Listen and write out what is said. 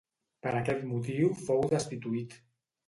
Per aquest motiu fou destituït.